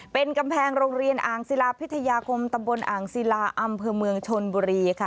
เป็นกำแพงโรงเรียนอ่างศิลาพิทยาคมตำบลอ่างศิลาอำเภอเมืองชนบุรีค่ะ